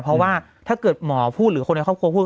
เพราะว่าถ้าเกิดหมอพูดหรือคนในครอบครัวพูด